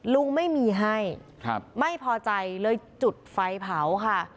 ลุงไม่มีให้ไม่พอใจเลยจุดไฟเผาค่ะ